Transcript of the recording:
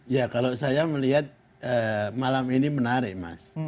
ya kalau saya melihat malam ini menarik mas